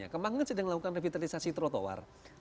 kemang kan sedang melakukan revitalisasi trotoar